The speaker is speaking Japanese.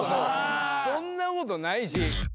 そんなことないし。